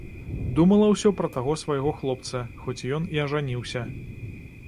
Думала ўсё пра таго свайго хлопца, хоць ён і ажаніўся.